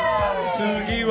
次は？